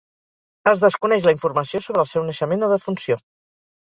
Es desconeix la informació sobre el seu naixement o defunció.